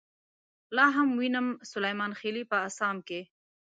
لاهم وينم سليمانخيلې په اسام کې